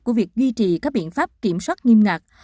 của việc duy trì các biện pháp kiểm soát nghiêm ngặt